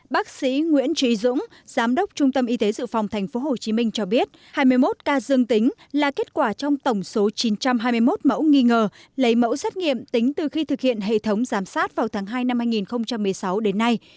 bác sĩ nguyễn trí dũng giám đốc trung tâm y tế dự phòng tp hcm cho biết hai mươi một ca dương tính là kết quả trong tổng số chín trăm hai mươi một mẫu nghi ngờ lấy mẫu xét nghiệm tính từ khi thực hiện hệ thống giám sát vào tháng hai năm hai nghìn một mươi sáu đến nay